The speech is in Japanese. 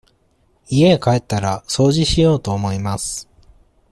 家へ帰ったら、掃除しようと思います。